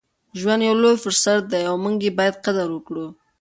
ژوند یو لوی فرصت دی او موږ یې باید قدر وکړو.